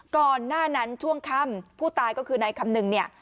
ก่อนหน้านั้นช่วงค่ำผู้ตายก็คือนายคำนึงเนี่ย